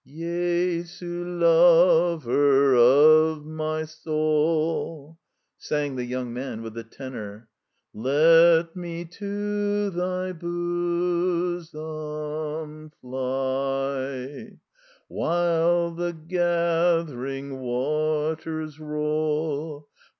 "Jesu, Lover o of my soul/' sang the young man with the tenor. ''Let me to Thy bosom fly, While the gathering wa ters roll.